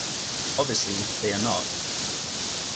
Obviously, they are not.